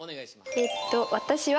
えっと私は。